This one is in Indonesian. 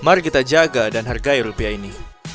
mari kita jaga dan hargai rupiah ini